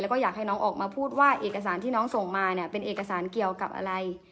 แล้วก็อยากให้น้องออกมาพูดว่าเอกสารที่น้องส่งมาเนี่ยเป็นเอกสารเกี่ยวกับอะไร